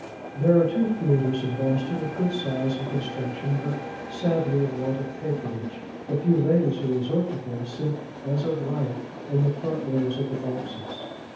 There are two theatres in Boston, of good size and construction, but sadly in want of patronage. The few ladies who resort to them, sit, as of right, in the front rows of the boxes.